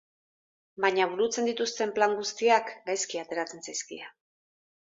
Baina burutzen dituzten plan guztiak gaizki ateratzen zaizkie.